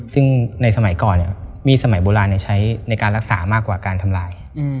ซึ่งในสมัยก่อนมีดสมัยโบราณใช้ในการรักษามากกว่าการทำลาย